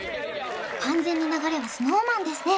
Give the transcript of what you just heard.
完全に流れはＳｎｏｗＭａｎですね